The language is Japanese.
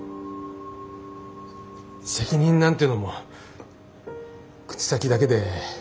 責任なんていうのも口先だけで。